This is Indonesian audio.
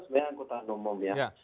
sebenarnya angkutan umum ya